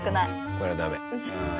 これはダメ。